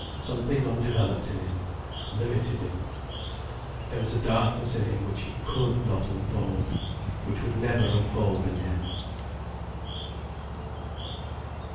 Something undeveloped in him limited him, there was a darkness in him which he could not unfold, which would never unfold in him.